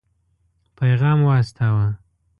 پيغام واستاوه.